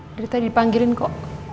dari tadi dipanggilin kok